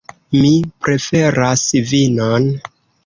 Mi preferas vinon.